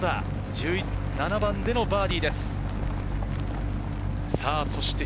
１７番でのバーディーです。